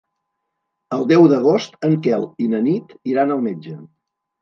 El deu d'agost en Quel i na Nit iran al metge.